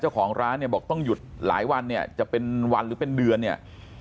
เจ้าของร้านเนี่ยบอกต้องหยุดหลายวันเนี่ยจะเป็นวันหรือเป็นเดือนเนี่ย